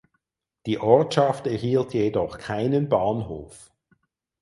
Die Ortschaft erhielt jedoch keinen Bahnhof.